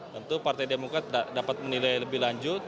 tentu partai demokrat dapat menilai lebih lanjut